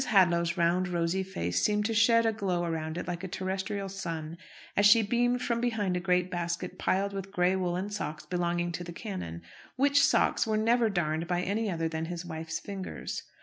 Hadlow's round, rosy face seemed to shed a glow around it like a terrestrial sun, as she beamed from behind a great basket piled with grey woollen socks belonging to the canon: which socks were never darned by any other than his wife's fingers.